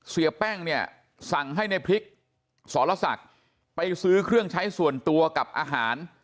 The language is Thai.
เสียแป้งเนี่ยสั่งให้ในพริกสรศักดิ์ไปซื้อเครื่องใช้ส่วนตัวกับอาหาร